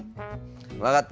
分かった！